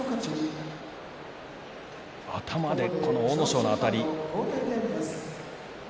頭で阿武咲のあたり。